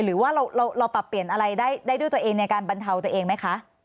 หรือว่าเราปรับเปลี่ยนอะไรได้ด้วยตัวเองในการบรรเทาตัวเองไหมคะ